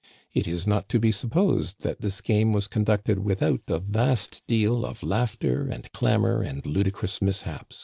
It is not to be sup posed that this game was conducted without a vast deal of laughter and clamor and ludicrous mishaps.